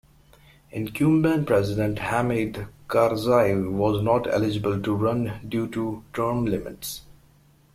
Incumbent president Hamid Karzai was not eligible to run due to term limits.